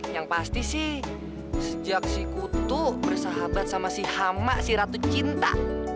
yang pasti sih sejak si kutu bersahabat sama si hama si ratu cinta